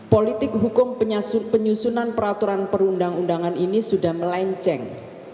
politik hukum penyusunan peraturan perundang undangan ini sudah melenceng